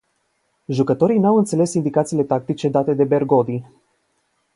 Jucătorii n-au înțeles indicațiile tactice date de Bergodi.